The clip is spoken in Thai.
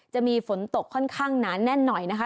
จะมีฝนตกค่อนข้างหนาแน่นหน่อยนะคะ